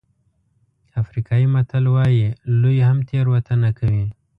افریقایي متل وایي لوی هم تېروتنه کوي.